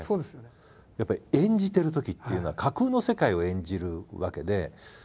やっぱり演じてるときっていうのは架空の世界を演じるわけで。